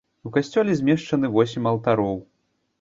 У касцёле змешчаны восем алтароў.